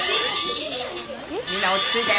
みんな落ち着いて。